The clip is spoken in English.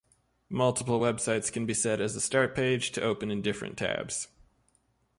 Multiple websites can be set as a start page, to open in different tabs.